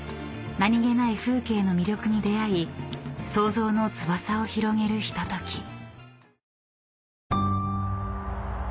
［何気ない風景の魅力に出合い創造の翼を広げるひととき］